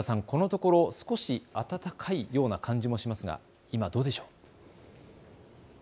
このところ少し暖かいような感じもしますが今どうでしょうか。